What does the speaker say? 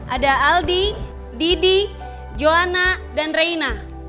ada aldi didi johanna dan reina